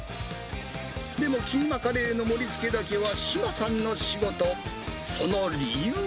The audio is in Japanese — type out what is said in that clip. でもキーマカレーの盛りつけだけは志麻さんの仕事。